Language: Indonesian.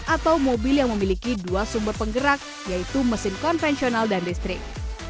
atau mobil yang memiliki dua sumber penggerak yaitu mesin konvensional dan listrik